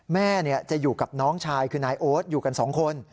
แม่จะอยู่กับน้องชายคือนายโอ๊ตอยู่กันสองคน